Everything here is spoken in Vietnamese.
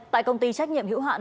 tại công ty trách nhiệm hữu hạn